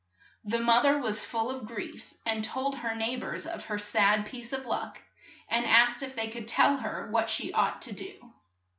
The moth er was full of grief, and told her neigh bors of her sad piece of luck, and asked if they could tell her what she ought to do.